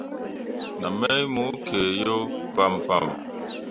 Naa mai mo kǝǝ yo fãmfãm.